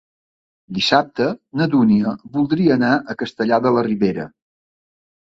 Dissabte na Dúnia voldria anar a Castellar de la Ribera.